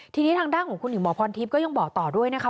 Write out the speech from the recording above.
ทีนี้ทางด้านของคุณหญิงหมอพรทิพย์ก็ยังบอกต่อด้วยนะคะ